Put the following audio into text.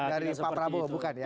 dari pak prabowo bukan ya